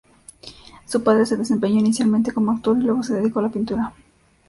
Su padre se desempeñó inicialmente como actor y luego se dedicó a la pintura.